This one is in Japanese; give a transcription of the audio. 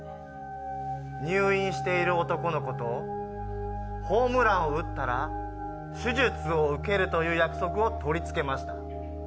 入院している男の子とホームランを打ったら手術を受けるという約束を取り付けました。